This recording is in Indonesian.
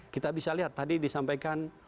kita bisa lihat tadi disampaikan